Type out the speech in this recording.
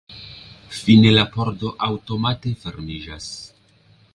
Fine la pordo aŭtomate fermiĝas.